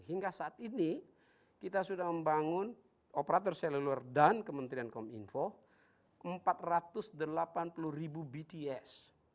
hingga saat ini kita sudah membangun operator seluler dan kementerian kominfo empat ratus delapan puluh ribu bts